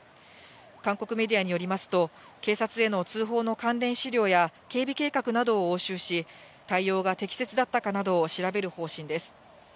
韓国メディアによりますと、警察への通報の関連資料や警備計画などを押収し、対応が適切だったかなどを調べる方針です。